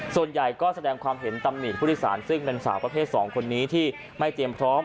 ส่วนใหญ่ก็แสดงความเห็นตำหนิผู้โดยสารซึ่งเป็นสาวประเภท๒คนนี้ที่ไม่เตรียมพร้อม